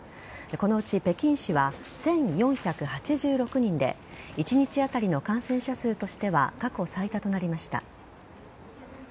このうち北京市は１４８６人で一日当たりの感染者数としては過去最多となりました。